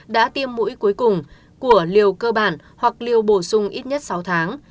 đã tiêm mũi cuối cùng của liều cơ bản hoặc liều bổ sung ít nhất sáu tháng